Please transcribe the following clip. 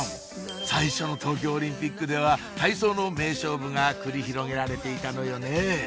最初の東京オリンピックでは体操の名勝負が繰り広げられていたのよねぇ